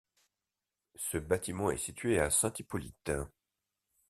Ce bâtiment est situé à Saint-Hippolyte.